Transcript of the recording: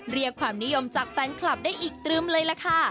เรียกความนิยมจากแฟนคลับได้อีกตรึมเลยล่ะค่ะ